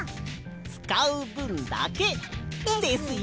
つかうぶんだけ。ですよ。